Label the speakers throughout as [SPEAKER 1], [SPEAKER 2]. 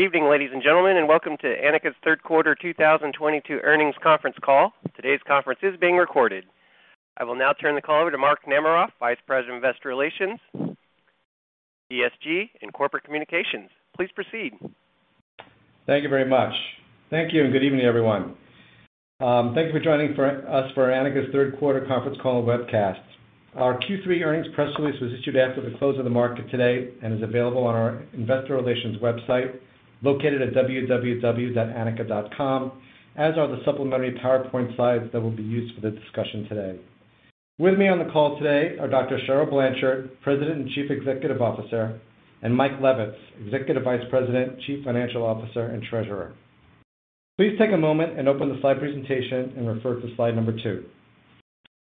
[SPEAKER 1] Good evening, ladies and gentlemen, and welcome to Anika's third quarter 2022 earnings conference call. Today's conference is being recorded. I will now turn the call over to Mark Namaroff, Vice President of Investor Relations, ESG, and Corporate Communications. Please proceed.
[SPEAKER 2] Thank you very much. Thank you, and good evening, everyone. Thank you for joining us for Anika's third quarter conference call and webcast. Our Q3 earnings press release was issued after the close of the market today and is available on our investor relations website, located at www.anika.com, as are the supplementary PowerPoint slides that will be used for the discussion today. With me on the call today are Dr. Cheryl Blanchard, President and Chief Executive Officer, and Mike Levitz, Executive Vice President, Chief Financial Officer, and Treasurer. Please take a moment and open the slide presentation and refer to slide number two.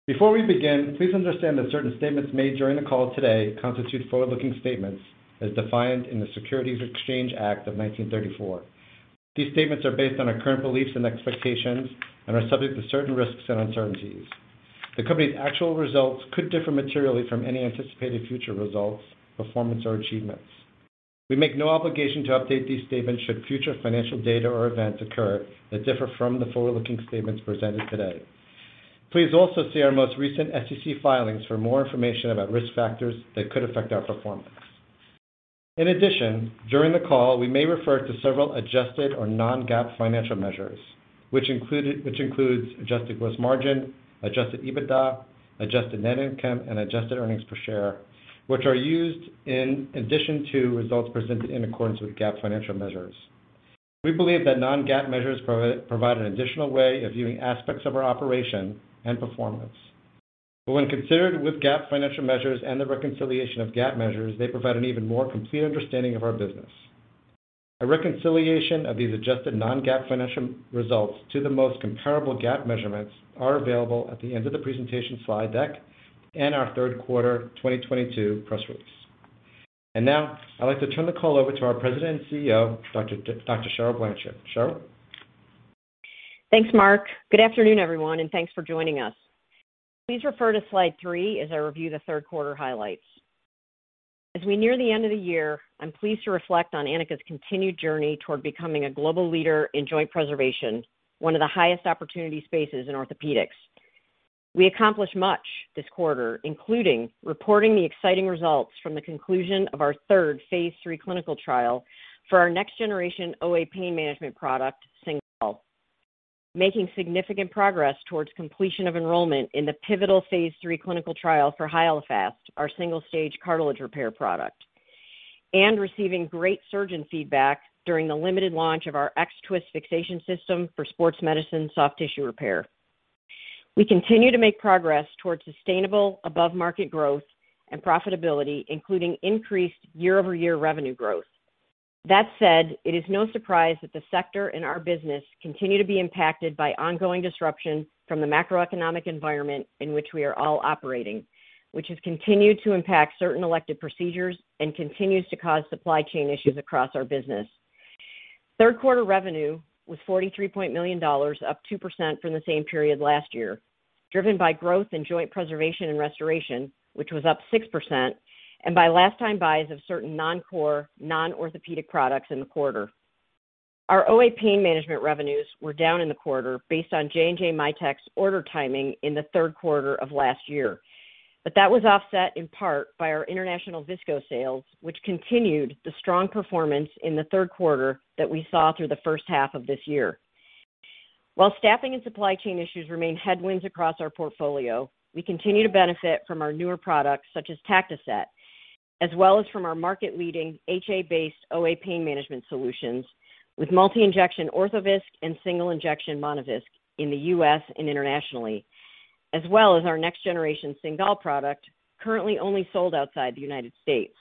[SPEAKER 2] Before we begin, please understand that certain statements made during the call today constitute forward-looking statements as defined in the Securities Exchange Act of 1934. These statements are based on our current beliefs and expectations and are subject to certain risks and uncertainties. The company's actual results could differ materially from any anticipated future results, performance, or achievements. We make no obligation to update these statements should future financial data or events occur that differ from the forward-looking statements presented today. Please also see our most recent SEC filings for more information about risk factors that could affect our performance. In addition, during the call, we may refer to several adjusted or non-GAAP financial measures, which includes adjusted gross margin, adjusted EBITDA, adjusted net income, and adjusted earnings per share, which are used in addition to results presented in accordance with GAAP financial measures. We believe that non-GAAP measures provide an additional way of viewing aspects of our operation and performance. When considered with GAAP financial measures and the reconciliation of GAAP measures, they provide an even more complete understanding of our business. A reconciliation of these adjusted non-GAAP financial results to the most comparable GAAP measurements are available at the end of the presentation slide deck and our third quarter 2022 press release. Now, I'd like to turn the call over to our President and CEO, Dr. Cheryl Blanchard. Cheryl?
[SPEAKER 3] Thanks, Mark. Good afternoon, everyone, and thanks for joining us. Please refer to slide three as I review the third quarter highlights. As we near the end of the year, I'm pleased to reflect on Anika's continued journey toward becoming a global leader in joint preservation, one of the highest opportunity spaces in orthopedics. We accomplished much this quarter, including reporting the exciting results from the conclusion of our third phase III clinical trial for our next-generation OA pain management product, Cingal, making significant progress towards completion of enrollment in the pivotal phase III clinical trial for Hyalofast, our single-stage cartilage repair product, and receiving great surgeon feedback during the limited launch of our X-Twist fixation system for sports medicine soft tissue repair. We continue to make progress towards sustainable above-market growth and profitability, including increased year-over-year revenue growth. That said, it is no surprise that the sector and our business continue to be impacted by ongoing disruption from the macroeconomic environment in which we are all operating, which has continued to impact certain elective procedures and continues to cause supply chain issues across our business. Third quarter revenue was $43 million, up 2% from the same period last year, driven by growth in joint preservation and restoration, which was up 6%, and by last time buys of certain non-core, non-orthopedic products in the quarter. Our OA pain management revenues were down in the quarter based on J&J MedTech's order timing in the third quarter of last year. That was offset in part by our international Visco sales, which continued the strong performance in the third quarter that we saw through the first half of this year. While staffing and supply chain issues remain headwinds across our portfolio, we continue to benefit from our newer products such as TACTOSET, as well as from our market-leading HA-based OA pain management solutions with multi-injection ORTHOVISC and single-injection MONOVISC in the U.S. and internationally, as well as our next-generation Cingal product currently only sold outside the United States.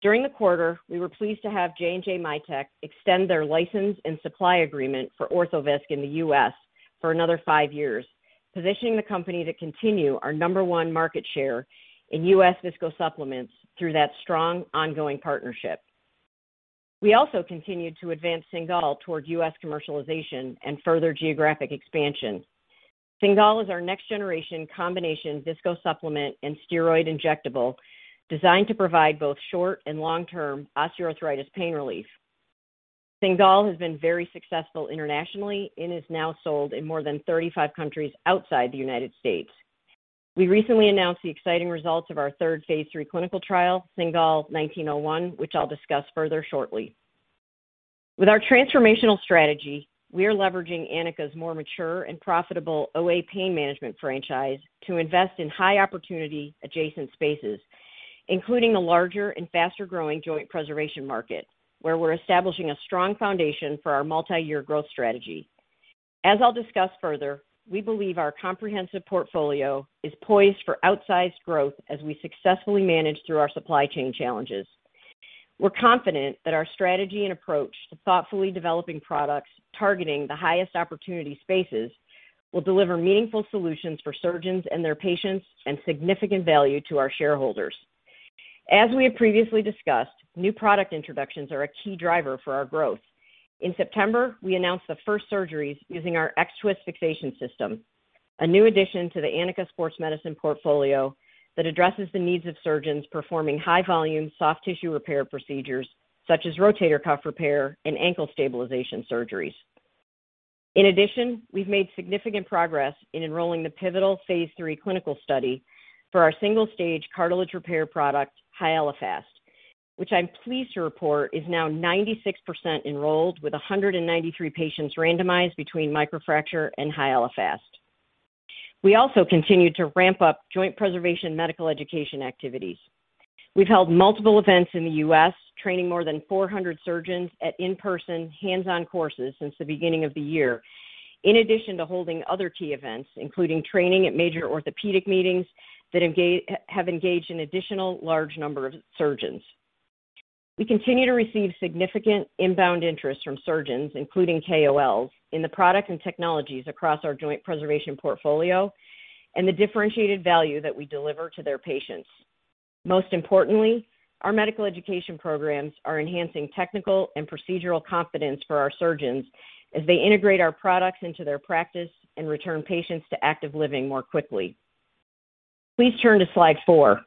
[SPEAKER 3] During the quarter, we were pleased to have J&J MedTech extend their license and supply agreement for ORTHOVISC in the U.S. for another five years, positioning the company to continue our number one market share in U.S. Visco supplements through that strong ongoing partnership. We also continued to advance Cingal towards U.S. commercialization and further geographic expansion. Cingal is our next-generation combination Visco supplement and steroid injectable designed to provide both short and long-term osteoarthritis pain relief. Cingal has been very successful internationally and is now sold in more than 35 countries outside the United States. We recently announced the exciting results of our third phase III clinical trial, Cingal 19-01, which I'll discuss further shortly. With our transformational strategy, we are leveraging Anika's more mature and profitable OA pain management franchise to invest in high-opportunity adjacent spaces, including the larger and faster-growing joint preservation market, where we're establishing a strong foundation for our multi-year growth strategy. As I'll discuss further, we believe our comprehensive portfolio is poised for outsized growth as we successfully manage through our supply chain challenges. We're confident that our strategy and approach to thoughtfully developing products targeting the highest opportunity spaces will deliver meaningful solutions for surgeons and their patients and significant value to our shareholders. As we have previously discussed, new product introductions are a key driver for our growth. In September, we announced the first surgeries using our X-Twist fixation system, a new addition to the Anika Sports Medicine portfolio that addresses the needs of surgeons performing high volume soft tissue repair procedures such as rotator cuff repair and ankle stabilization surgeries. In addition, we've made significant progress in enrolling the pivotal phase III clinical study for our single-stage cartilage repair product, Hyalofast, which I'm pleased to report is now 96% enrolled with 193 patients randomized between Microfracture and Hyalofast. We also continue to ramp up joint preservation medical education activities. We've held multiple events in the U.S., training more than 400 surgeons at in-person, hands-on courses since the beginning of the year, in addition to holding other key events, including training at major orthopedic meetings that have engaged an additional large number of surgeons. We continue to receive significant inbound interest from surgeons, including KOLs, in the product and technologies across our joint preservation portfolio, and the differentiated value that we deliver to their patients. Most importantly, our medical education programs are enhancing technical and procedural confidence for our surgeons as they integrate our products into their practice and return patients to active living more quickly. Please turn to Slide 4.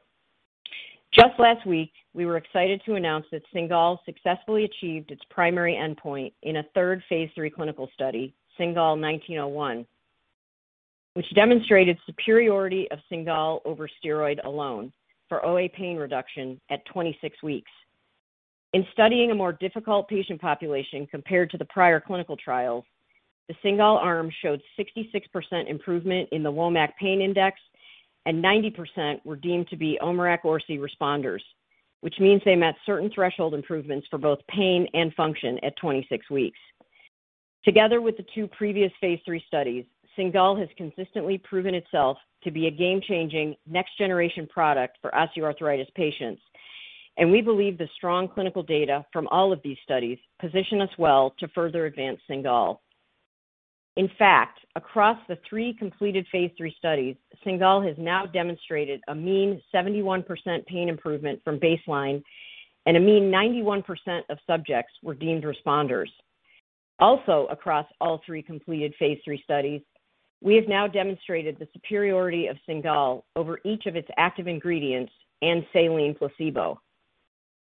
[SPEAKER 3] Just last week, we were excited to announce that Cingal successfully achieved its primary endpoint in a third phase III clinical study, Cingal 19-01, which demonstrated superiority of Cingal over steroid alone for OA pain reduction at 26 weeks. In studying a more difficult patient population compared to the prior clinical trials, the Cingal arm showed 66% improvement in the WOMAC pain index, and 90% were deemed to be OMERACT-OARSI responders, which means they met certain threshold improvements for both pain and function at 26 weeks. Together with the two previous phase III studies, Cingal has consistently proven itself to be a game-changing, next generation product for osteoarthritis patients, and we believe the strong clinical data from all of these studies position us well to further advance Cingal. In fact, across the three completed phase III studies, Cingal has now demonstrated a mean 71% pain improvement from baseline and a mean 91% of subjects were deemed responders. Also, across all three completed phase III studies, we have now demonstrated the superiority of Cingal over each of its active ingredients and saline placebo.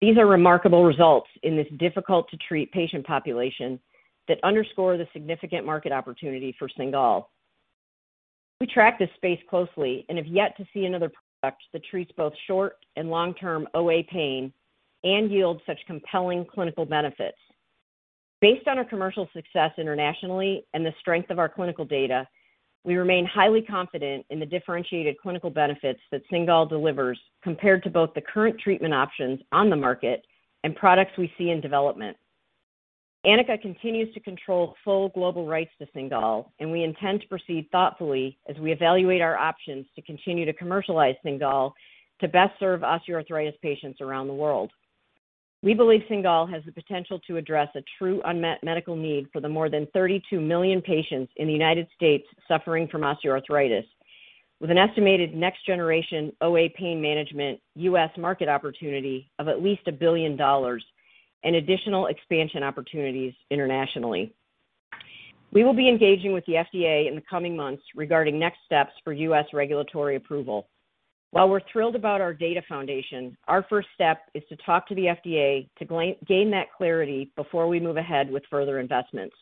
[SPEAKER 3] These are remarkable results in this difficult-to-treat patient population that underscore the significant market opportunity for Cingal. We track this space closely and have yet to see another product that treats both short and long-term OA pain and yields such compelling clinical benefits. Based on our commercial success internationally and the strength of our clinical data, we remain highly confident in the differentiated clinical benefits that Cingal delivers compared to both the current treatment options on the market and products we see in development. Anika continues to control full global rights to Cingal, and we intend to proceed thoughtfully as we evaluate our options to continue to commercialize Cingal to best serve osteoarthritis patients around the world. We believe Cingal has the potential to address a true unmet medical need for the more than 32 million patients in the U.S. suffering from osteoarthritis, with an estimated next generation OA pain management U.S. market opportunity of at least $1 billion and additional expansion opportunities internationally. We will be engaging with the FDA in the coming months regarding next steps for U.S. regulatory approval. While we're thrilled about our data foundation, our first step is to talk to the FDA to gain that clarity before we move ahead with further investments.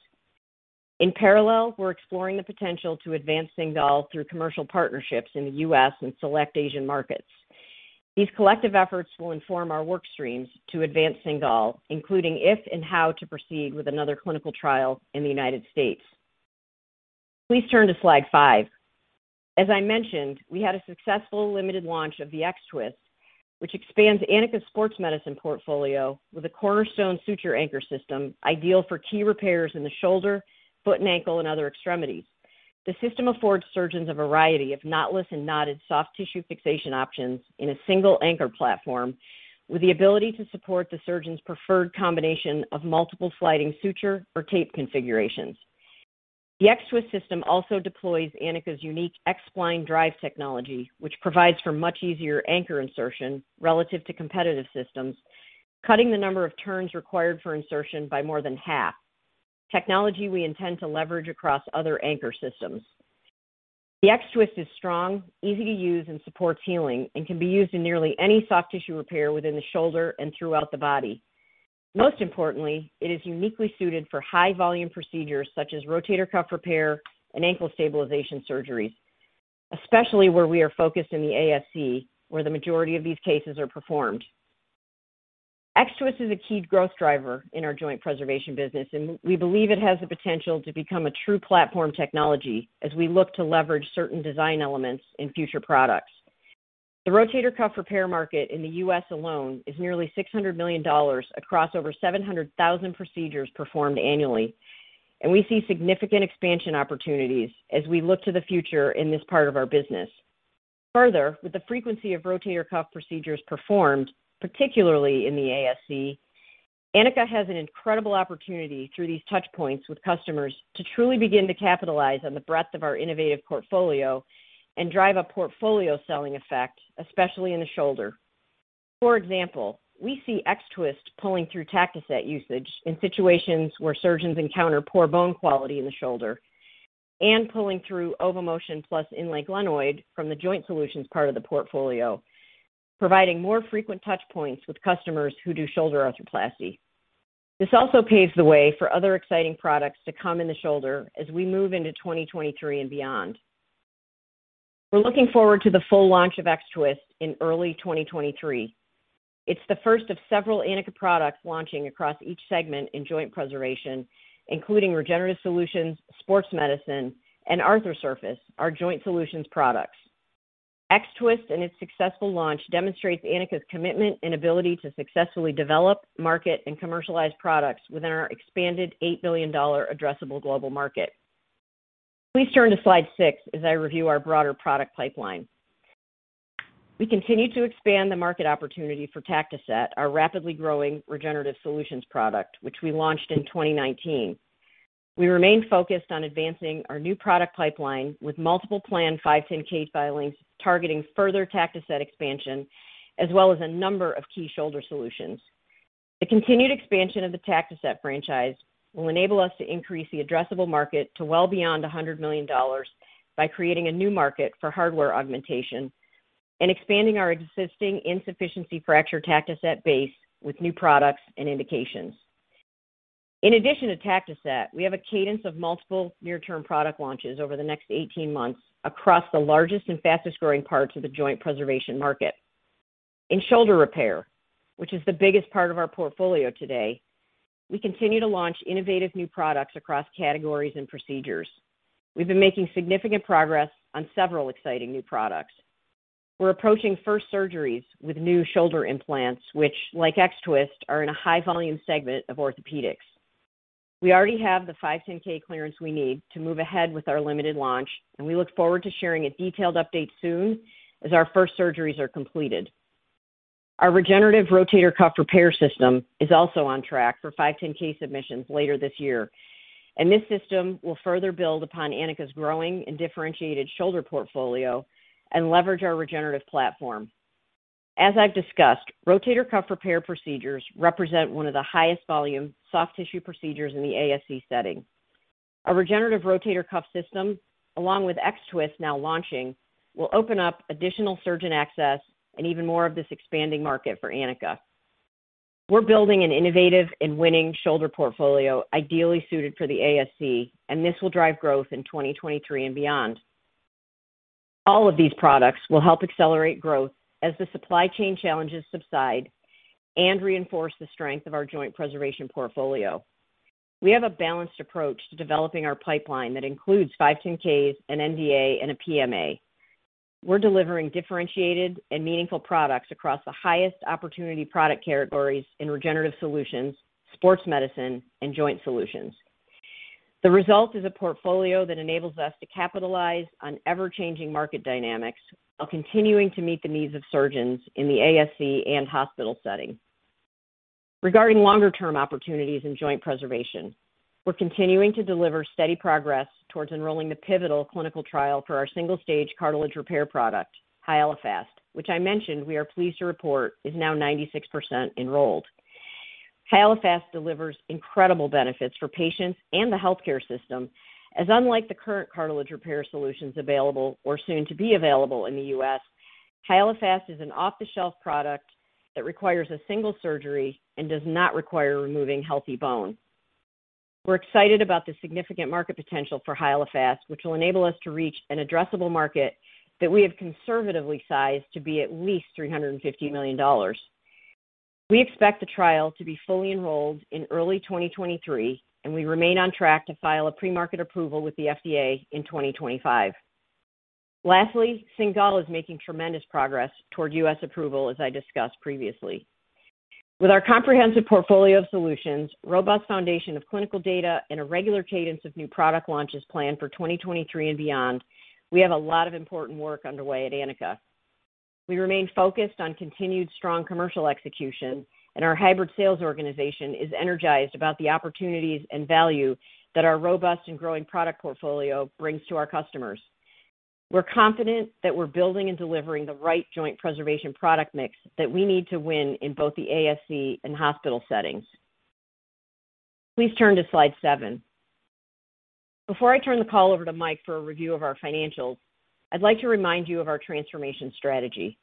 [SPEAKER 3] In parallel, we're exploring the potential to advance Cingal through commercial partnerships in the U.S. and select Asian markets. These collective efforts will inform our work streams to advance Cingal, including if and how to proceed with another clinical trial in the U.S. Please turn to Slide five. As I mentioned, we had a successful limited launch of the X-Twist, which expands Anika's Sports Medicine portfolio with a cornerstone suture anchor system ideal for key repairs in the shoulder, foot and ankle, and other extremities. The system affords surgeons a variety of knotless and knotted soft tissue fixation options in a single anchor platform with the ability to support the surgeon's preferred combination of multiple sliding suture or tape configurations. The X-Twist system also deploys Anika's unique X-Spline drive technology, which provides for much easier anchor insertion relative to competitive systems, cutting the number of turns required for insertion by more than half, technology we intend to leverage across other anchor systems. The X-Twist is strong, easy to use, and supports healing, and can be used in nearly any soft tissue repair within the shoulder and throughout the body. Most importantly, it is uniquely suited for high volume procedures such as rotator cuff repair and ankle stabilization surgeries, especially where we are focused in the ASC, where the majority of these cases are performed. X-Twist is a key growth driver in our joint preservation business, and we believe it has the potential to become a true platform technology as we look to leverage certain design elements in future products. The rotator cuff repair market in the U.S. alone is nearly $600 million across over 700,000 procedures performed annually, and we see significant expansion opportunities as we look to the future in this part of our business. Further, with the frequency of rotator cuff procedures performed, particularly in the ASC, Anika has an incredible opportunity through these touchpoints with customers to truly begin to capitalize on the breadth of our innovative portfolio and drive a portfolio selling effect, especially in the shoulder. For example, we see X-Twist pulling through TactiSet usage in situations where surgeons encounter poor bone quality in the shoulder, and pulling through OVOMotion plus Inlay Glenoid from the joint solutions part of the portfolio, providing more frequent touch points with customers who do shoulder arthroplasty. This also paves the way for other exciting products to come in the shoulder as we move into 2023 and beyond. We're looking forward to the full launch of X-Twist in early 2023. It's the first of several Anika products launching across each segment in joint preservation, including regenerative solutions, sports medicine, and Arthrosurface, our joint solutions products. X-Twist and its successful launch demonstrates Anika's commitment and ability to successfully develop, market, and commercialize products within our expanded $8 billion addressable global market. Please turn to slide six as I review our broader product pipeline. We continue to expand the market opportunity for TACTOSET, our rapidly growing regenerative solutions product, which we launched in 2019. We remain focused on advancing our new product pipeline with multiple planned 510 filings targeting further TACTOSET expansion, as well as a number of key shoulder solutions. The continued expansion of the TACTOSET franchise will enable us to increase the addressable market to well beyond $100 million by creating a new market for hardware augmentation and expanding our existing insufficiency fracture TACTOSETbase with new products and indications. In addition to TACTOSET, we have a cadence of multiple near-term product launches over the next 18 months across the largest and fastest-growing parts of the joint preservation market. In shoulder repair, which is the biggest part of our portfolio today, we continue to launch innovative new products across categories and procedures. We've been making significant progress on several exciting new products. We're approaching first surgeries with new shoulder implants, which, like X-Twist, are in a high-volume segment of orthopedics. We already have the 510 clearance we need to move ahead with our limited launch, and we look forward to sharing a detailed update soon as our first surgeries are completed. Our regenerative rotator cuff repair system is also on track for 510 submissions later this year, and this system will further build upon Anika's growing and differentiated shoulder portfolio and leverage our regenerative platform. As I've discussed, rotator cuff repair procedures represent one of the highest volume soft tissue procedures in the ASC setting. Our regenerative rotator cuff system, along with X-Twist now launching, will open up additional surgeon access and even more of this expanding market for Anika. This will drive growth in 2023 and beyond. All of these products will help accelerate growth as the supply chain challenges subside and reinforce the strength of our joint preservation portfolio. We have a balanced approach to developing our pipeline that includes 510s, an NDA, and a PMA. We're delivering differentiated and meaningful products across the highest opportunity product categories in regenerative solutions, sports medicine, and joint solutions. The result is a portfolio that enables us to capitalize on ever-changing market dynamics while continuing to meet the needs of surgeons in the ASC and hospital setting. Regarding longer-term opportunities in joint preservation, we're continuing to deliver steady progress towards enrolling the pivotal clinical trial for our single stage cartilage repair product, Hyalofast, which I mentioned we are pleased to report is now 96% enrolled. Hyalofast delivers incredible benefits for patients and the healthcare system, as unlike the current cartilage repair solutions available or soon to be available in the U.S., Hyalofast is an off-the-shelf product that requires a single surgery and does not require removing healthy bone. We're excited about the significant market potential for Hyalofast, which will enable us to reach an addressable market that we have conservatively sized to be at least $350 million. We expect the trial to be fully enrolled in early 2023, and we remain on track to file a premarket approval with the FDA in 2025. Lastly, Cingal is making tremendous progress toward U.S. approval, as I discussed previously. With our comprehensive portfolio of solutions, robust foundation of clinical data, and a regular cadence of new product launches planned for 2023 and beyond, we have a lot of important work underway at Anika. We remain focused on continued strong commercial execution, and our hybrid sales organization is energized about the opportunities and value that our robust and growing product portfolio brings to our customers. We're confident that we're building and delivering the right joint preservation product mix that we need to win in both the ASC and hospital settings. Please turn to slide seven. Before I turn the call over to Mike for a review of our financials, I'd like to remind you of our transformation strategy.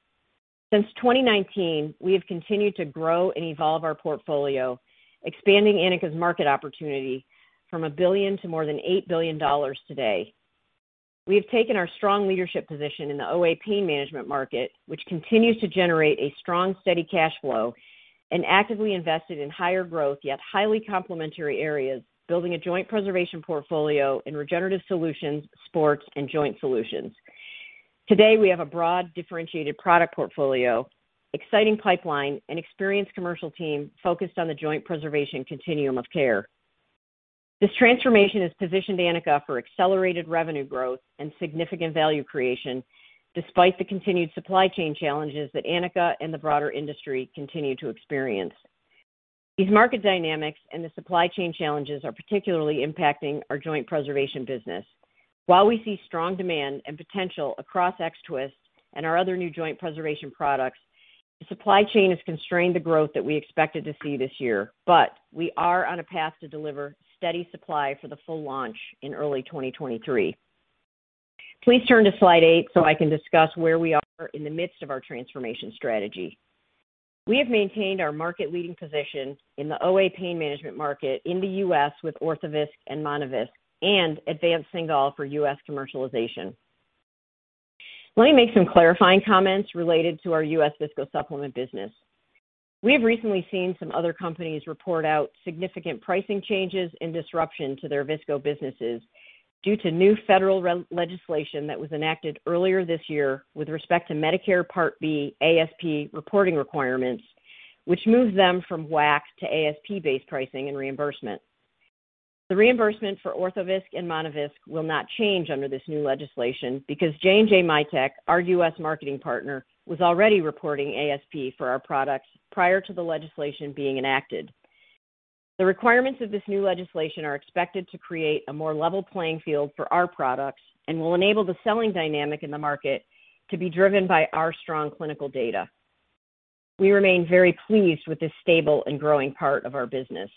[SPEAKER 3] Since 2019, we have continued to grow and evolve our portfolio, expanding Anika's market opportunity from $1 billion to more than $8 billion today. We have taken our strong leadership position in the OA pain management market, which continues to generate a strong, steady cash flow and actively invested in higher growth, yet highly complementary areas, building a joint preservation portfolio in regenerative solutions, sports, and joint solutions. Today, we have a broad, differentiated product portfolio, exciting pipeline, and experienced commercial team focused on the joint preservation continuum of care. This transformation has positioned Anika for accelerated revenue growth and significant value creation, despite the continued supply chain challenges that Anika and the broader industry continue to experience. These market dynamics and the supply chain challenges are particularly impacting our joint preservation business. While we see strong demand and potential across X-Twist and our other new joint preservation products, the supply chain has constrained the growth that we expected to see this year. We are on a path to deliver steady supply for the full launch in early 2023. Please turn to slide eight so I can discuss where we are in the midst of our transformation strategy. We have maintained our market-leading position in the OA pain management market in the U.S. with Orthovisc and MONOVISC and advanced Cingal for U.S. commercialization. Let me make some clarifying comments related to our U.S. viscosupplement business. We have recently seen some other companies report out significant pricing changes and disruption to their visco businesses due to new federal legislation that was enacted earlier this year with respect to Medicare Part B ASP reporting requirements, which moves them from WAC to ASP-based pricing and reimbursement. The reimbursement for ORTHOVISC and MONOVISC will not change under this new legislation because J&J MedTech, our U.S. marketing partner, was already reporting ASP for our products prior to the legislation being enacted. The requirements of this new legislation are expected to create a more level playing field for our products and will enable the selling dynamic in the market to be driven by our strong clinical data. We remain very pleased with this stable and growing part of our business.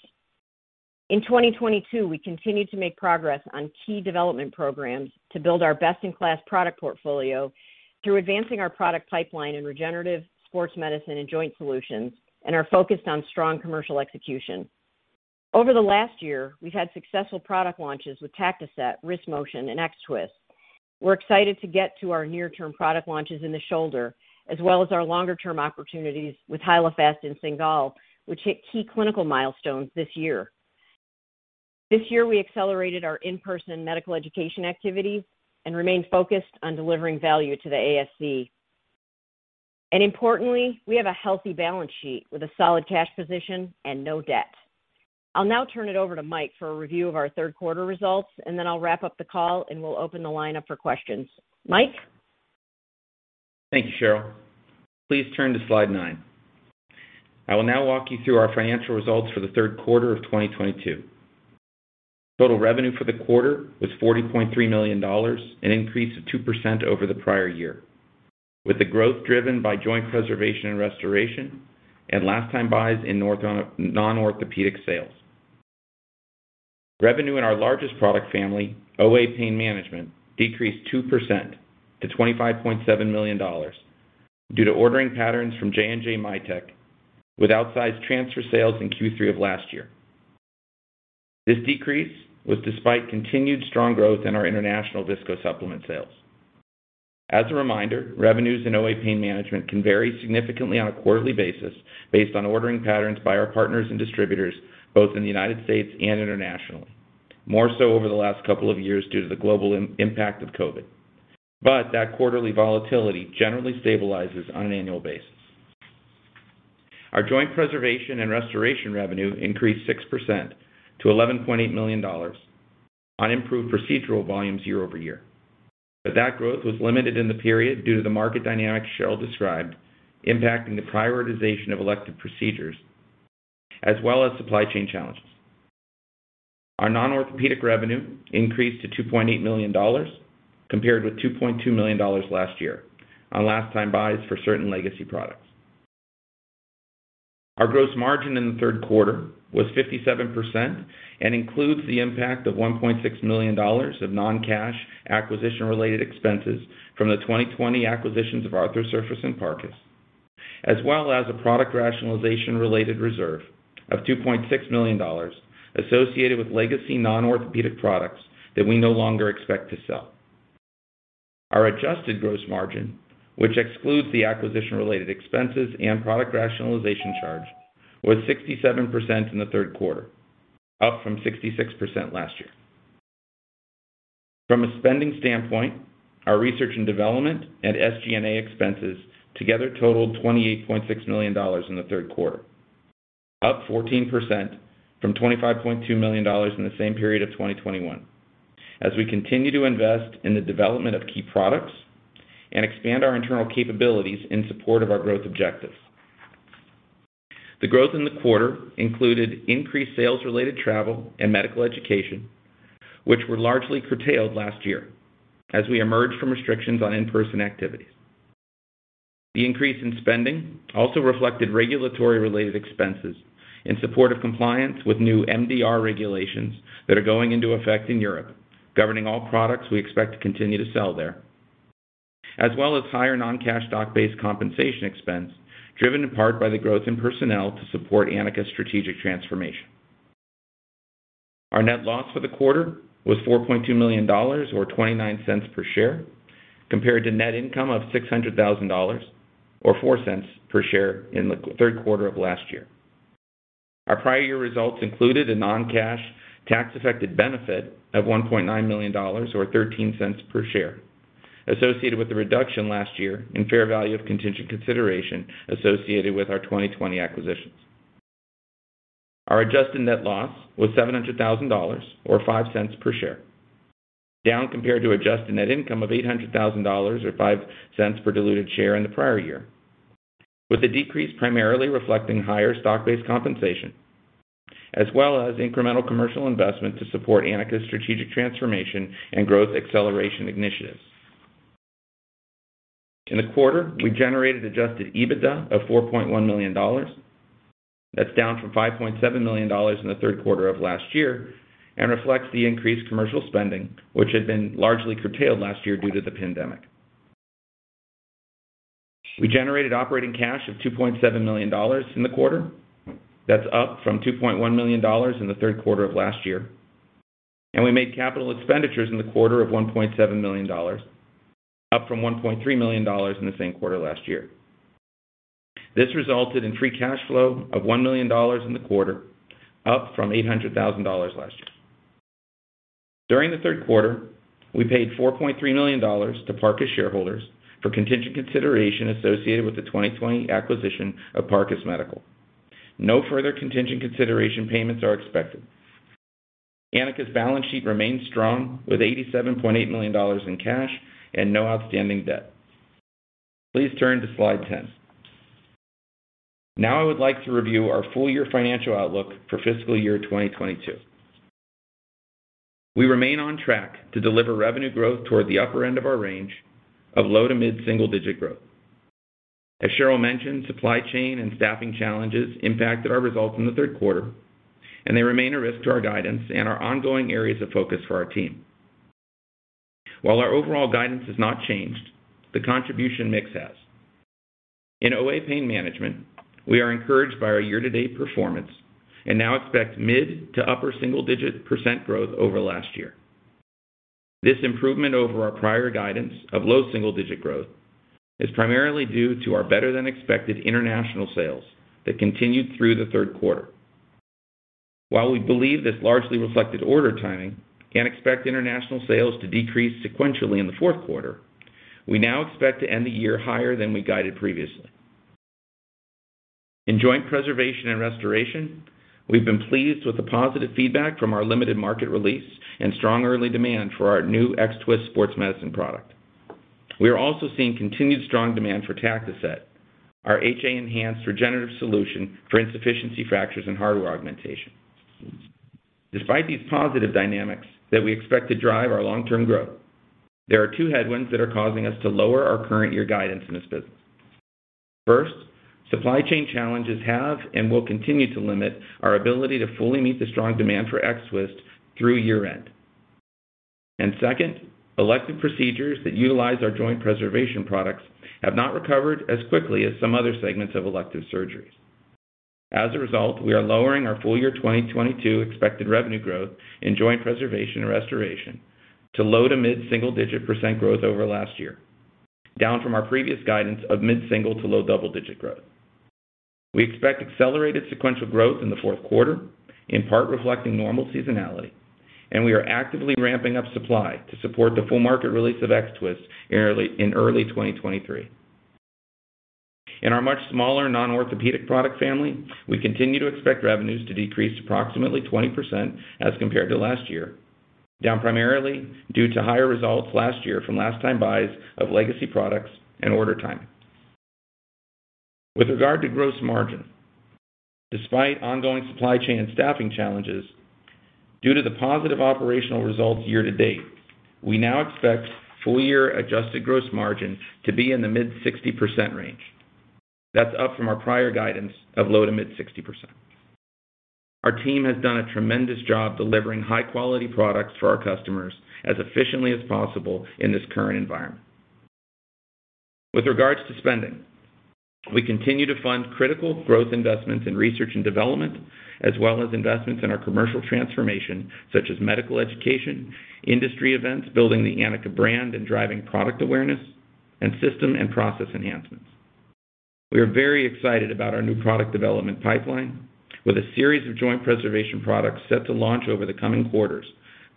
[SPEAKER 3] In 2022, we continued to make progress on key development programs to build our best-in-class product portfolio through advancing our product pipeline in regenerative, sports medicine, and joint solutions, and are focused on strong commercial execution. Over the last year, we've had successful product launches with TactiSet, WristMotion, and X-Twist. We're excited to get to our near-term product launches in the shoulder, as well as our longer-term opportunities with Hyalofast and Cingal, which hit key clinical milestones this year. This year, we accelerated our in-person medical education activities and remain focused on delivering value to the ASC. Importantly, we have a healthy balance sheet with a solid cash position and no debt. I'll now turn it over to Mike for a review of our third quarter results, and then I'll wrap up the call, and we'll open the line up for questions. Mike?
[SPEAKER 4] Thank you, Cheryl. Please turn to slide nine. I will now walk you through our financial results for the third quarter of 2022. Total revenue for the quarter was $40.3 million, an increase of 2% over the prior year, with the growth driven by joint preservation and restoration and last-time buys in non-orthopedic sales. Revenue in our largest product family, OA pain management, decreased 2% to $25.7 million due to ordering patterns from J&J MedTech with outsized transfer sales in Q3 of last year. This decrease was despite continued strong growth in our international viscosupplement sales. As a reminder, revenues in OA pain management can vary significantly on a quarterly basis based on ordering patterns by our partners and distributors, both in the United States and internationally, more so over the last couple of years due to the global impact of COVID. That quarterly volatility generally stabilizes on an annual basis. Our joint preservation and restoration revenue increased 6% to $11.8 million on improved procedural volumes year-over-year. That growth was limited in the period due to the market dynamics Cheryl described impacting the prioritization of elective procedures, as well as supply chain challenges. Our non-orthopedic revenue increased to $2.8 million, compared with $2.2 million last year on last-time buys for certain legacy products. Our gross margin in the third quarter was 57% and includes the impact of $1.6 million of non-cash acquisition-related expenses from the 2020 acquisitions of Arthrosurface and Parcus, as well as a product rationalization-related reserve of $2.6 million associated with legacy non-orthopedic products that we no longer expect to sell. Our adjusted gross margin, which excludes the acquisition-related expenses and product rationalization charge, was 67% in the third quarter, up from 66% last year. From a spending standpoint, our research and development and SG&A expenses together totaled $28.6 million in the third quarter, up 14% from $25.2 million in the same period of 2021 as we continue to invest in the development of key products and expand our internal capabilities in support of our growth objectives. The growth in the quarter included increased sales-related travel and medical education, which were largely curtailed last year as we emerged from restrictions on in-person activities. The increase in spending also reflected regulatory-related expenses in support of compliance with new MDR regulations that are going into effect in Europe, governing all products we expect to continue to sell there, as well as higher non-cash stock-based compensation expense driven in part by the growth in personnel to support Anika's strategic transformation. Our net loss for the quarter was $4.2 million or $0.29 per share, compared to net income of $600,000 or $0.04 per share in the third quarter of last year. Our prior year results included a non-cash tax-affected benefit of $1.9 million or $0.13 per share associated with the reduction last year in fair value of contingent consideration associated with our 2020 acquisitions. Our adjusted net loss was $700,000 or $0.05 per share, down compared to adjusted net income of $800,000, or $0.05 per diluted share in the prior year. With the decrease primarily reflecting higher stock-based compensation, as well as incremental commercial investment to support Anika's strategic transformation and growth acceleration initiatives. In the quarter, we generated adjusted EBITDA of $4.1 million. That's down from $5.7 million in the third quarter of last year and reflects the increased commercial spending, which had been largely curtailed last year due to the pandemic. We generated operating cash of $2.7 million in the quarter. That's up from $2.1 million in the third quarter of last year. We made capital expenditures in the quarter of $1.7 million, up from $1.3 million in the same quarter last year. This resulted in free cash flow of $1 million in the quarter, up from $800,000 last year. During the third quarter, we paid $4.3 million to Parcus shareholders for contingent consideration associated with the 2020 acquisition of Parcus Medical. No further contingent consideration payments are expected. Anika's balance sheet remains strong, with $87.8 million in cash and no outstanding debt. Please turn to slide 10. Now I would like to review our full year financial outlook for fiscal year 2022. We remain on track to deliver revenue growth toward the upper end of our range of low to mid-single digit growth. As Cheryl mentioned, supply chain and staffing challenges impacted our results in the third quarter, and they remain a risk to our guidance and are ongoing areas of focus for our team. While our overall guidance has not changed, the contribution mix has. In OA pain management, we are encouraged by our year-to-date performance and now expect mid to upper single-digit % growth over last year. This improvement over our prior guidance of low- to mid-single digit growth is primarily due to our better-than-expected international sales that continued through the third quarter. While we believe this largely reflected order timing, and expect international sales to decrease sequentially in the fourth quarter, we now expect to end the year higher than we guided previously. In joint preservation and restoration, we've been pleased with the positive feedback from our limited market release and strong early demand for our new X-Twist sports medicine product. We are also seeing continued strong demand for TACTOSET, our HA enhanced regenerative solution for insufficiency fractures and hardware augmentation. Despite these positive dynamics that we expect to drive our long-term growth, there are two headwinds that are causing us to lower our current year guidance in this business. First, supply chain challenges have, and will continue to limit our ability to fully meet the strong demand for X-Twist through year-end. Second, elective procedures that utilize our joint preservation products have not recovered as quickly as some other segments of elective surgeries. As a result, we are lowering our full year 2022 expected revenue growth in joint preservation and restoration to low to mid-single digit % growth over last year, down from our previous guidance of mid-single to low double-digit growth. We expect accelerated sequential growth in the fourth quarter, in part reflecting normal seasonality, and we are actively ramping up supply to support the full market release of X-Twist in early 2023. In our much smaller non-orthopedic product family, we continue to expect revenues to decrease approximately 20% as compared to last year, down primarily due to higher results last year from last-time buys of legacy products and order timing. With regard to gross margin, despite ongoing supply chain and staffing challenges, due to the positive operational results year to date, we now expect full year adjusted gross margin to be in the mid-60% range. That's up from our prior guidance of low to mid-60%. Our team has done a tremendous job delivering high-quality products for our customers as efficiently as possible in this current environment. With regards to spending, we continue to fund critical growth investments in research and development, as well as investments in our commercial transformation, such as medical education, industry events, building the Anika brand, and driving product awareness and system and process enhancements. We are very excited about our new product development pipeline with a series of joint preservation products set to launch over the coming quarters,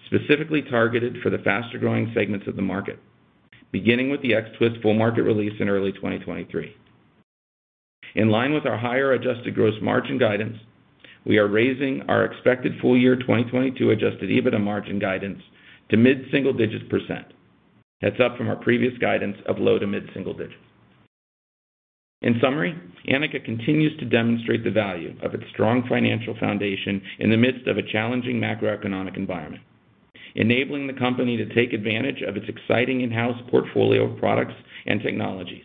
[SPEAKER 4] specifically targeted for the faster-growing segments of the market, beginning with the X-Twist full market release in early 2023. In line with our higher adjusted gross margin guidance, we are raising our expected full year 2022 adjusted EBITDA margin guidance to mid-single digits %. That's up from our previous guidance of low to mid-single digits. In summary, Anika continues to demonstrate the value of its strong financial foundation in the midst of a challenging macroeconomic environment, enabling the company to take advantage of its exciting in-house portfolio of products and technologies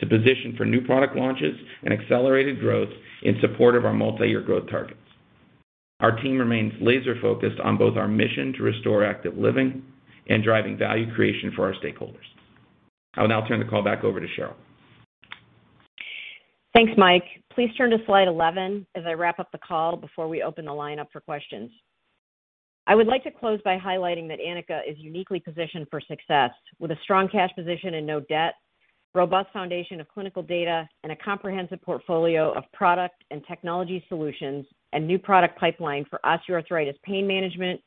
[SPEAKER 4] to position for new product launches and accelerated growth in support of our multi-year growth targets. Our team remains laser-focused on both our mission to restore active living and driving value creation for our stakeholders. I will now turn the call back over to Cheryl.
[SPEAKER 3] Thanks, Mike. Please turn to slide 11 as I wrap up the call before we open the line up for questions. I would like to close by highlighting that Anika is uniquely positioned for success with a strong cash position and no debt, robust foundation of clinical data, and a comprehensive portfolio of product and technology solutions and new product pipeline for osteoarthritis pain management,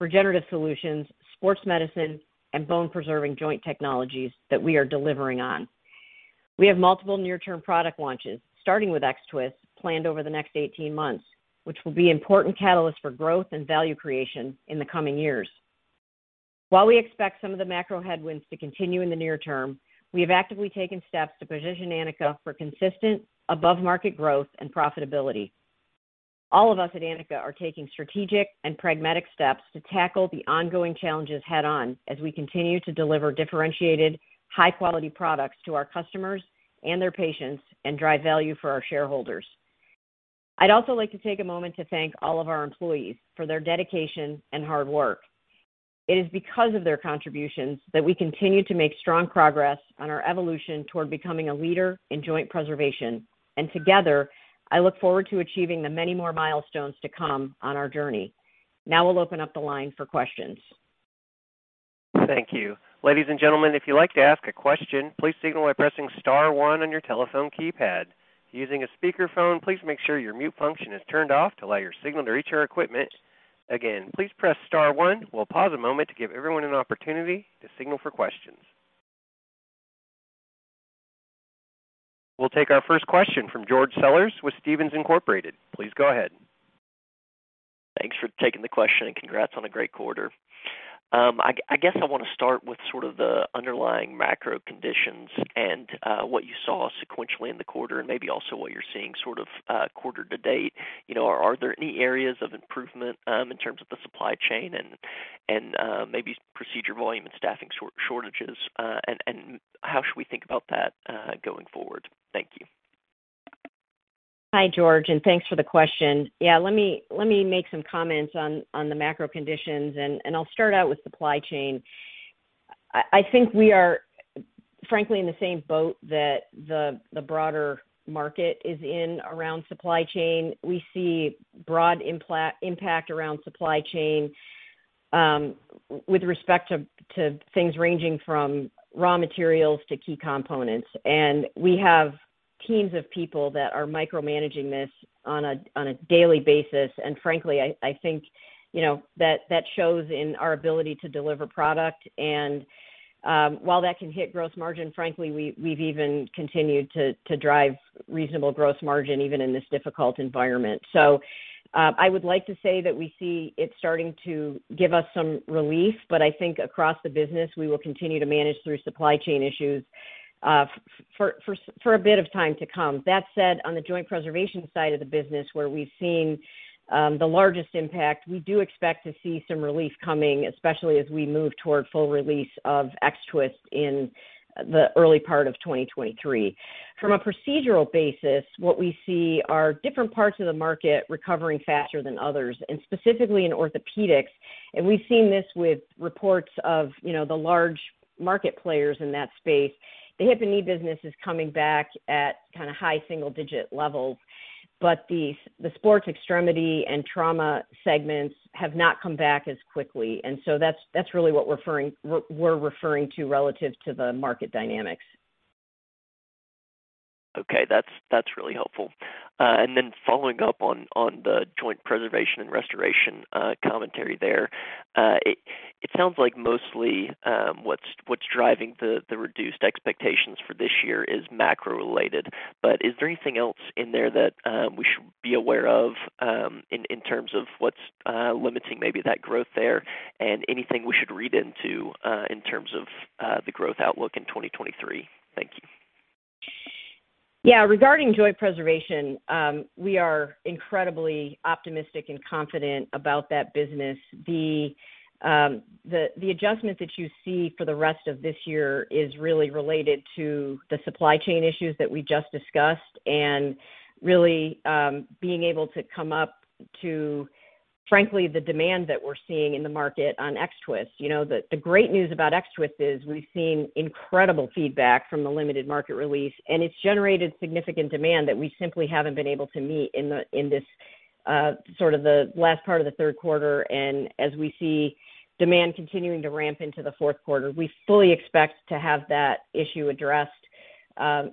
[SPEAKER 3] regenerative solutions, sports medicine, and bone-preserving joint technologies that we are delivering on. We have multiple near-term product launches, starting with X-Twist, planned over the next 18 months, which will be important catalysts for growth and value creation in the coming years. While we expect some of the macro headwinds to continue in the near term, we have actively taken steps to position Anika for consistent above-market growth and profitability. All of us at Anika are taking strategic and pragmatic steps to tackle the ongoing challenges head-on as we continue to deliver differentiated, high-quality products to our customers and their patients and drive value for our shareholders. I'd also like to take a moment to thank all of our employees for their dedication and hard work. It is because of their contributions that we continue to make strong progress on our evolution toward becoming a leader in joint preservation. Together, I look forward to achieving the many more milestones to come on our journey. Now I'll open up the line for questions.
[SPEAKER 1] Thank you. Ladies and gentlemen, if you'd like to ask a question, please signal by pressing star one on your telephone keypad. If using a speakerphone, please make sure your mute function is turned off to allow your signal to reach our equipment. Again, please press star one. We'll pause a moment to give everyone an opportunity to signal for questions. We'll take our first question from George Sellers with Stephens Inc.. Please go ahead.
[SPEAKER 5] Thanks for taking the question. Congrats on a great quarter. I guess I want to start with sort of the underlying macro conditions and what you saw sequentially in the quarter and maybe also what you're seeing sort of quarter to date. Are there any areas of improvement in terms of the supply chain and maybe procedure volume and staffing shortages? How should we think about that going forward? Thank you.
[SPEAKER 3] Hi, George, thanks for the question. Let me make some comments on the macro conditions, I'll start out with supply chain. I think we are, frankly, in the same boat that the broader market is in around supply chain. We see broad impact around supply chain with respect to things ranging from raw materials to key components. We have teams of people that are micromanaging this on a daily basis. Frankly, I think that shows in our ability to deliver product. While that can hit gross margin, frankly, we've even continued to drive reasonable gross margin even in this difficult environment. I would like to say that we see it starting to give us some relief, I think across the business, we will continue to manage through supply chain issues for a bit of time to come. That said, on the joint preservation side of the business, where we've seen the largest impact, we do expect to see some relief coming, especially as we move toward full release of X-Twist in the early part of 2023. From a procedural basis, what we see are different parts of the market recovering faster than others, specifically in orthopedics. We've seen this with reports of the large market players in that space. The hip and knee business is coming back at kind of high single-digit levels, the sports extremity and trauma segments have not come back as quickly. That's really what we're referring to relative to the market dynamics.
[SPEAKER 5] That's really helpful. Following up on the joint preservation and restoration commentary there. It sounds like mostly what's driving the reduced expectations for this year is macro related, is there anything else in there that we should be aware of in terms of what's limiting maybe that growth there and anything we should read into in terms of the growth outlook in 2023? Thank you.
[SPEAKER 3] Regarding joint preservation, we are incredibly optimistic and confident about that business. The adjustment that you see for the rest of this year is really related to the supply chain issues that we just discussed, really being able to come up to, frankly, the demand that we're seeing in the market on X-Twist. The great news about X-Twist is we've seen incredible feedback from the limited market release, it's generated significant demand that we simply haven't been able to meet in this sort of the last part of the third quarter. As we see demand continuing to ramp into the fourth quarter, we fully expect to have that issue addressed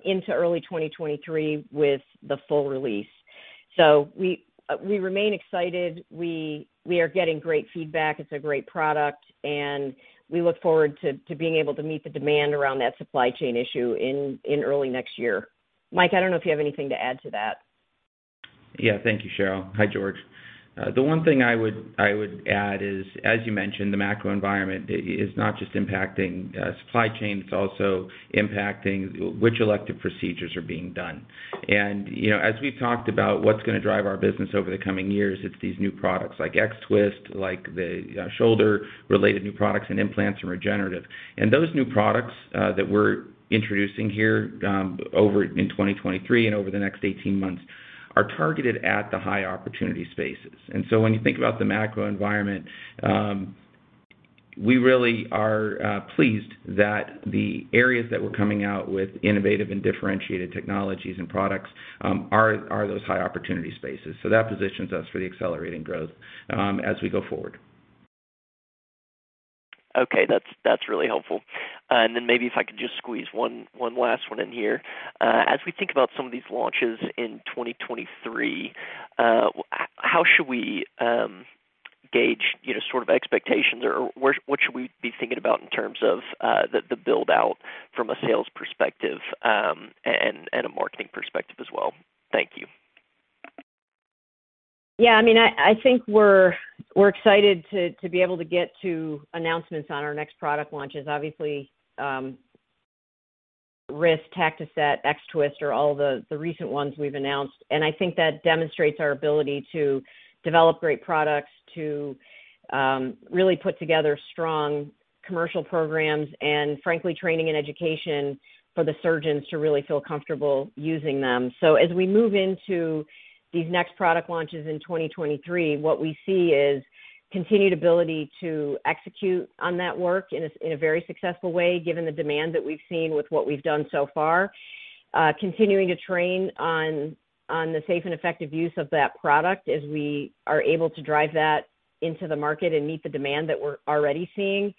[SPEAKER 3] into early 2023 with the full release. We remain excited. We are getting great feedback. It's a great product, we look forward to being able to meet the demand around that supply chain issue in early next year. Mike, I don't know if you have anything to add to that.
[SPEAKER 4] Yeah. Thank you, Cheryl. Hi, George. The one thing I would add is, as you mentioned, the macro environment is not just impacting supply chain, it's also impacting which elective procedures are being done. As we've talked about what's going to drive our business over the coming years, it's these new products like X-Twist, like the shoulder-related new products and implants and regenerative. Those new products that we're introducing here over in 2023 and over the next 18 months are targeted at the high opportunity spaces. When you think about the macro environment, we really are pleased that the areas that we're coming out with innovative and differentiated technologies and products are those high opportunity spaces. That positions us for the accelerating growth as we go forward.
[SPEAKER 5] Okay, that's really helpful. Maybe if I could just squeeze one last one in here. As we think about some of these launches in 2023, how should we gauge sort of expectations, or what should we be thinking about in terms of the build-out from a sales perspective, and a marketing perspective as well? Thank you.
[SPEAKER 3] Yeah. I think we're excited to be able to get to announcements on our next product launch is obviously, WristMotion, TactiSet, X-Twist are all the recent ones we've announced. I think that demonstrates our ability to develop great products, to really put together strong commercial programs, and frankly, training and education for the surgeons to really feel comfortable using them. As we move into these next product launches in 2023, what we see is continued ability to execute on that work in a very successful way, given the demand that we've seen with what we've done so far. Continuing to train on the safe and effective use of that product as we are able to drive that into the market and meet the demand that we're already seeing.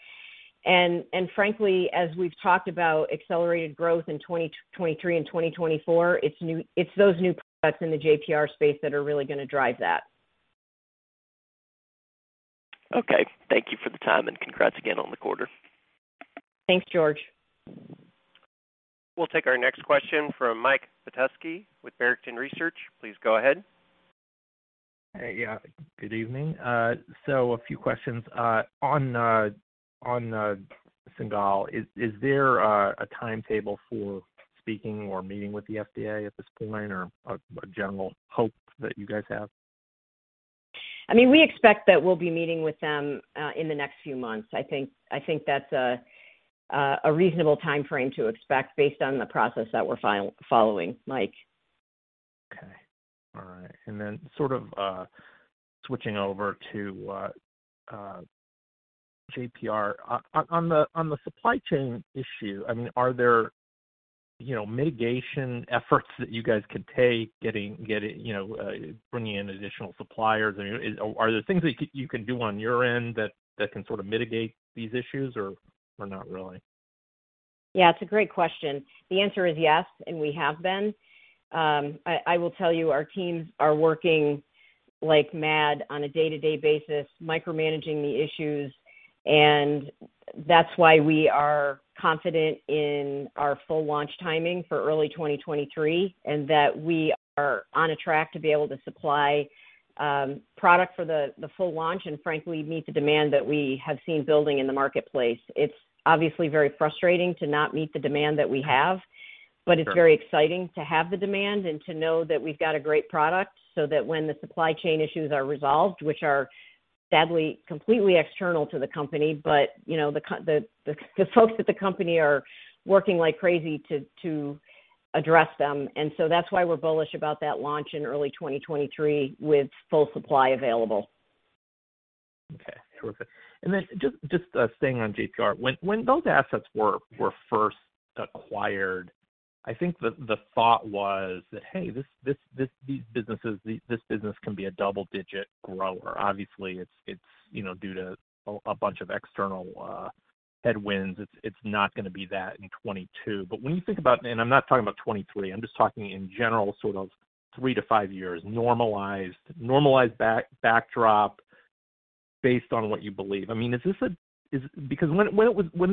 [SPEAKER 3] Frankly, as we've talked about accelerated growth in 2023 and 2024, it's those new products in the JPR space that are really going to drive that.
[SPEAKER 5] Okay. Thank you for the time, congrats again on the quarter.
[SPEAKER 3] Thanks, George.
[SPEAKER 1] We'll take our next question from Mike Petusky with Barrington Research. Please go ahead.
[SPEAKER 6] Hey. Yeah. Good evening. A few questions. On Cingal, is there a timetable for speaking or meeting with the FDA at this point or a general hope that you guys have?
[SPEAKER 3] We expect that we'll be meeting with them in the next few months. I think that's a reasonable timeframe to expect based on the process that we're following, Mike.
[SPEAKER 6] Okay. All right. Then sort of switching over to JPR. On the supply chain issue, are there mitigation efforts that you guys could take bringing in additional suppliers, and are there things that you can do on your end that can sort of mitigate these issues or not really?
[SPEAKER 3] Yeah, it's a great question. The answer is yes, and we have been. I will tell you, our teams are working like mad on a day-to-day basis, micromanaging the issues, and that's why we are confident in our full launch timing for early 2023, and that we are on a track to be able to supply product for the full launch and frankly, meet the demand that we have seen building in the marketplace. It's obviously very frustrating to not meet the demand that we have.
[SPEAKER 6] Sure
[SPEAKER 3] It's very exciting to have the demand and to know that we've got a great product so that when the supply chain issues are resolved, which are sadly completely external to the company. The folks at the company are working like crazy to address them. That's why we're bullish about that launch in early 2023 with full supply available.
[SPEAKER 6] Okay, terrific. Just staying on JPR. When those assets were first acquired, I think the thought was that, "Hey, this business can be a double-digit grower." Obviously, due to a bunch of external headwinds, it's not going to be that in 2022. When you think about, and I'm not talking about 2023, I'm just talking in general, sort of three to five years, normalized backdrop based on what you believe. When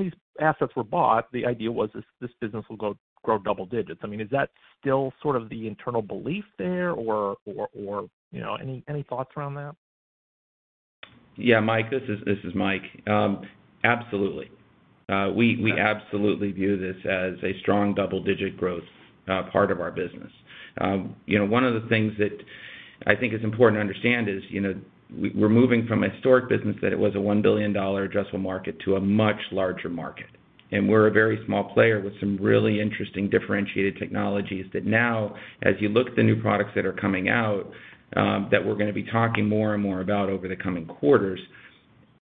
[SPEAKER 6] these assets were bought, the idea was this business will grow double digits. Is that still sort of the internal belief there or any thoughts around that?
[SPEAKER 4] Yeah, Mike. This is Mike. Absolutely. We absolutely view this as a strong double-digit growth part of our business. One of the things that I think is important to understand is, we're moving from a historic business that it was a $1 billion addressable market to a much larger market. We're a very small player with some really interesting differentiated technologies that now as you look at the new products that are coming out, that we're going to be talking more and more about over the coming quarters.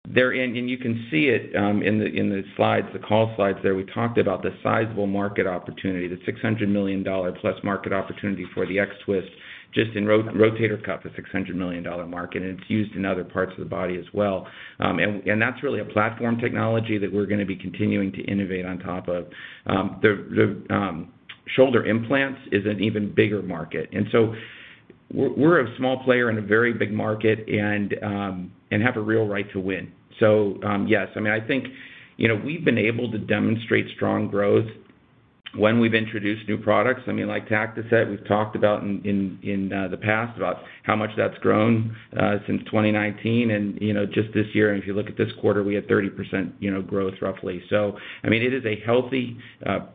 [SPEAKER 4] You can see it in the call slides there, we talked about the sizable market opportunity, the $600 million-plus market opportunity for the X-Twist just in rotator cuff, a $600 million market, and it's used in other parts of the body as well. That's really a platform technology that we're going to be continuing to innovate on top of. The shoulder implants is an even bigger market. We're a small player in a very big market and have a real right to win. Yes. I think we've been able to demonstrate strong growth when we've introduced new products. Like TactiSet, we've talked about in the past about how much that's grown since 2019 and just this year. If you look at this quarter, we had 30% growth roughly. It is a healthy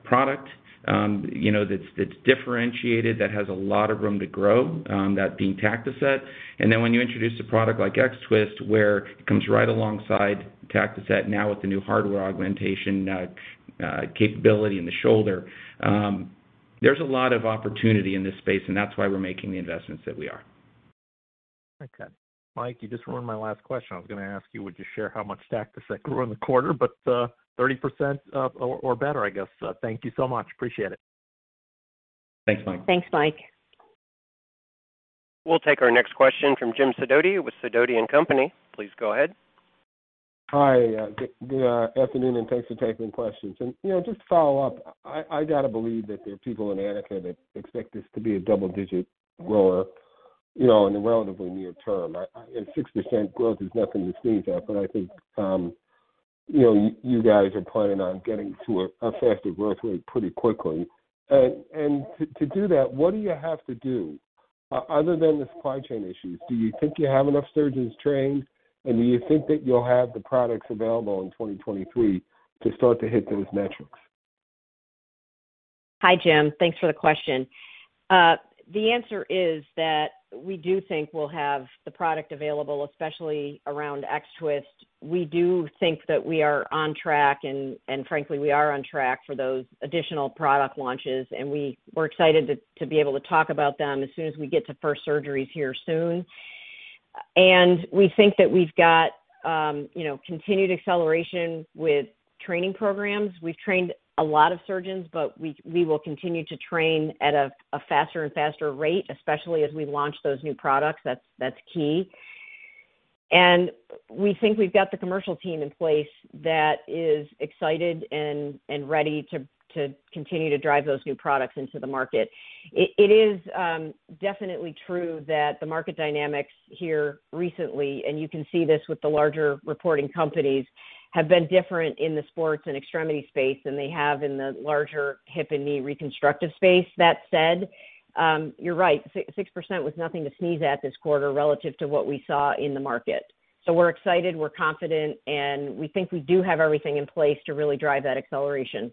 [SPEAKER 4] product that's differentiated, that has a lot of room to grow, that being TactiSet. When you introduce a product like X-Twist, where it comes right alongside TactiSet now with the new hardware augmentation capability in the shoulder. There's a lot of opportunity in this space, and that's why we're making the investments that we are.
[SPEAKER 6] Okay. Mike, you just ruined my last question. I was going to ask you, would you share how much TactiSet grew in the quarter? 30% or better, I guess. Thank you so much. Appreciate it.
[SPEAKER 4] Thanks, Mike.
[SPEAKER 3] Thanks, Mike.
[SPEAKER 1] We'll take our next question from Jim Sidoti with Sidoti & Company. Please go ahead.
[SPEAKER 7] Hi, good afternoon. Thanks for taking questions. Just to follow up, I got to believe that there are people in Anika that expect this to be a double-digit grower in the relatively near term, and 6% growth is nothing to sneeze at. I think you guys are planning on getting to a faster growth rate pretty quickly. To do that, what do you have to do, other than the supply chain issues? Do you think you have enough surgeons trained, and do you think that you'll have the products available in 2023 to start to hit those metrics?
[SPEAKER 3] Hi, Jim. Thanks for the question. The answer is that we do think we'll have the product available, especially around X-Twist. We do think that we are on track, and frankly, we are on track for those additional product launches, and we're excited to be able to talk about them as soon as we get to first surgeries here soon. We think that we've got continued acceleration with training programs. We've trained a lot of surgeons, but we will continue to train at a faster and faster rate, especially as we launch those new products. That's key. We think we've got the commercial team in place that is excited and ready to continue to drive those new products into the market. It is definitely true that the market dynamics here recently, and you can see this with the larger reporting companies, have been different in the sports and extremity space than they have in the larger hip and knee reconstructive space. That said, you're right, 6% was nothing to sneeze at this quarter relative to what we saw in the market. We're excited, we're confident, and we think we do have everything in place to really drive that acceleration.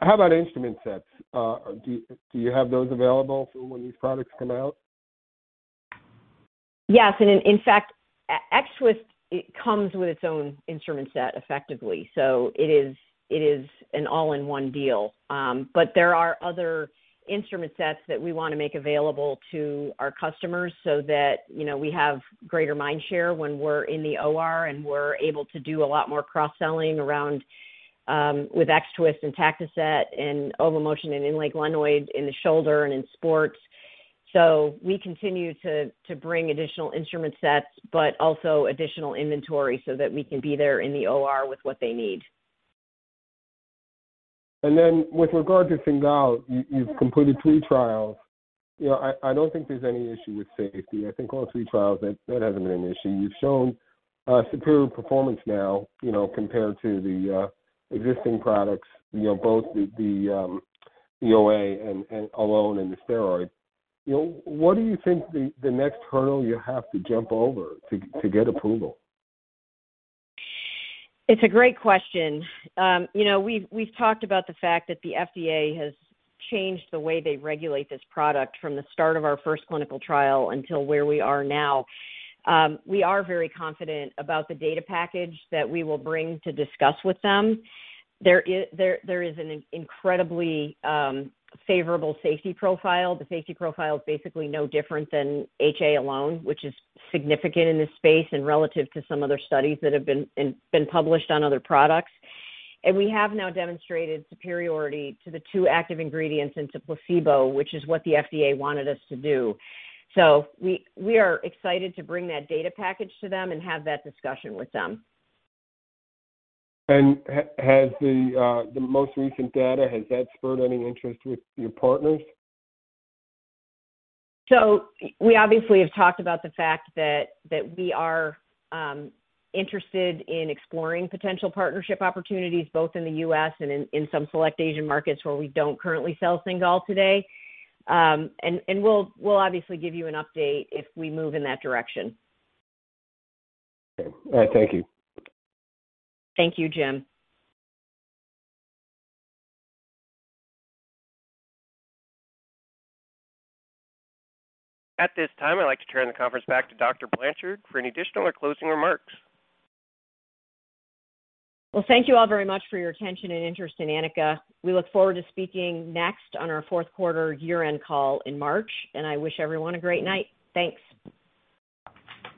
[SPEAKER 7] How about instrument sets? Do you have those available for when these products come out?
[SPEAKER 3] Yes. In fact, X-Twist comes with its own instrument set effectively, it is an all-in-one deal. There are other instrument sets that we want to make available to our customers that we have greater mind share when we're in the OR, we're able to do a lot more cross-selling around with X-Twist and TactiSet and OVOMotion and Inlay Glenoid in the shoulder and in sports. We continue to bring additional instrument sets, but also additional inventory that we can be there in the OR with what they need.
[SPEAKER 7] With regard to Cingal, you've completed three trials. I don't think there's any issue with safety. I think all three trials, that hasn't been an issue. You've shown superior performance now, compared to the existing products, both the HA alone and the steroid. What do you think the next hurdle you have to jump over to get approval?
[SPEAKER 3] It's a great question. We've talked about the fact that the FDA has changed the way they regulate this product from the start of our first clinical trial until where we are now. We are very confident about the data package that we will bring to discuss with them. There is an incredibly favorable safety profile. The safety profile is basically no different than HA alone, which is significant in this space and relative to some other studies that have been published on other products. We have now demonstrated superiority to the two active ingredients and to placebo, which is what the FDA wanted us to do. We are excited to bring that data package to them and have that discussion with them.
[SPEAKER 7] Has the most recent data, has that spurred any interest with your partners?
[SPEAKER 3] We obviously have talked about the fact that we are interested in exploring potential partnership opportunities both in the U.S. and in some select Asian markets where we don't currently sell Cingal today. We'll obviously give you an update if we move in that direction.
[SPEAKER 7] Okay. All right, thank you.
[SPEAKER 3] Thank you, Jim.
[SPEAKER 1] At this time, I'd like to turn the conference back to Dr. Blanchard for any additional or closing remarks.
[SPEAKER 3] Well, thank you all very much for your attention and interest in Anika. We look forward to speaking next on our fourth quarter year-end call in March. I wish everyone a great night. Thanks.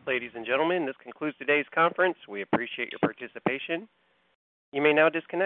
[SPEAKER 1] Ladies and gentlemen, this concludes today's conference. We appreciate your participation. You may now disconnect.